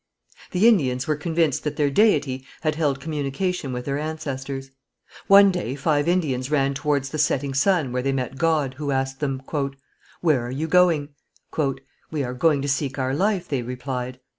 The Indians were convinced that their deity had held communication with their ancestors. One day five Indians ran towards the setting sun where they met God, who asked them, "Where are you going?" "We are going to seek our life," they replied.